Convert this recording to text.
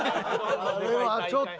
あれはちょっと。